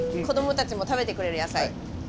子供たちも食べてくれる野菜。